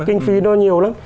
kinh phí nó nhiều lắm